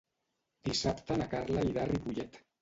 Dissabte na Carla irà a Ripollet.